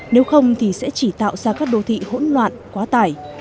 nếu không thì sẽ chỉ tạo ra các đô thị hỗn loạn quá tải